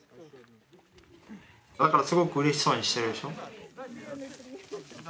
だからすごくうれしそうにしてるでしょ。